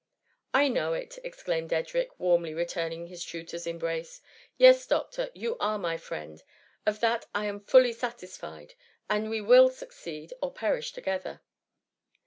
" I know it,'* exclaimed Edric, warmly re turning his tutor's embrace ;" Yes, doctor, you are my friend, of that I am fully satisfied ; and we will succeed, or perish together."